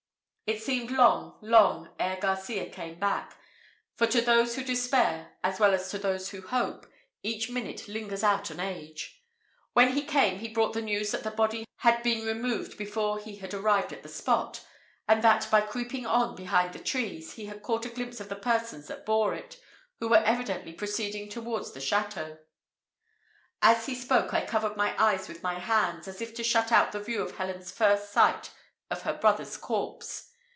It seemed long, long ere Garcias came back; for to those who despair, as well as to those who hope, each minute lingers out an age. When he came, he brought the news that the body had been removed before he had arrived at the spot; and that, by creeping on behind the trees, he had caught a glimpse of the persons that bore it, who were evidently proceeding towards the château. As he spoke, I covered my eyes with my hands, as if to shut out the view of Helen's first sight of her brother's corpse.